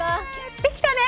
できたね！